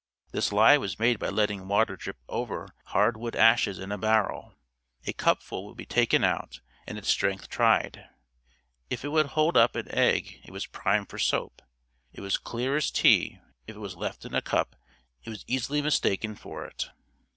This lye was made by letting water drip over hard wood ashes in a barrel. A cupful would be taken out and its strength tried. If it would hold up an egg it was prime for soap. It was clear as tea, if it was left in a cup it was easily mistaken for it.